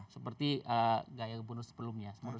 seperti gaya gubernur sebelumnya